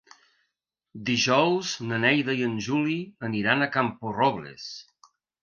Dijous na Neida i en Juli aniran a Camporrobles.